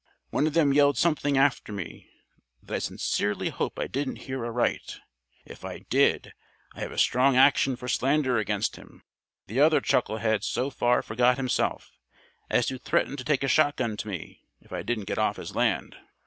One of them yelled something after me that I sincerely hope I didn't hear aright. If I did, I have a strong action for slander against him. The other chucklehead so far forgot himself as to threaten to take a shotgun to me if I didn't get off his land."